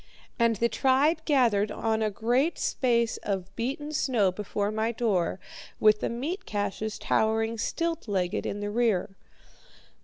And the tribe gathered on a great space of beaten snow before my door, with the meat caches towering stilt legged in the rear.